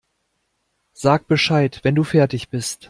Sag Bescheid, wenn du fertig bist.